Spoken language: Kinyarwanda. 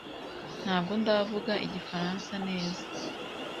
Ntabwo ndavuga Igifaransa neza